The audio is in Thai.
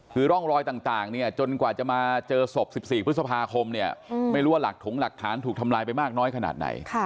คือร่องรอยต่างเนี่ยจนกว่าจะมาเจอศพ๑๔พฤษภาคมเนี่ยไม่รู้ว่าหลักถงหลักฐานถูกทำลายไปมากน้อยขนาดไหน